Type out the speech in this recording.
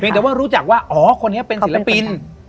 แต่ว่ารู้จักว่าอ๋อคนนี้เป็นศิลปิน